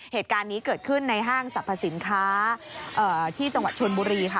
เหตุการณ์นี้เกิดขึ้นในห้างสรรพสินค้าที่จังหวัดชนบุรีค่ะ